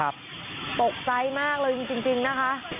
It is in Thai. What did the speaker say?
ตกใจมากเลยจริงนะคะ